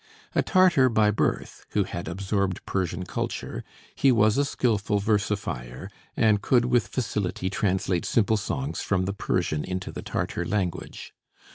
A Tartar by birth, who had absorbed Persian culture, he was a skillful versifier, and could with facility translate simple songs from the Persian into the Tartar language.